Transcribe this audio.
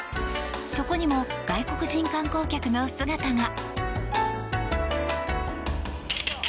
そこにも外国人観光客の姿が。